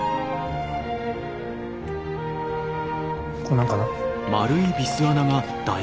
こんなんかな。